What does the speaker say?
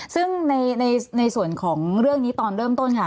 ซึ่งในส่วนของเรื่องนี้ตอนเริ่มต้นค่ะ